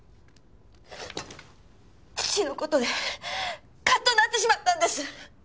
父の事でカッとなってしまったんです。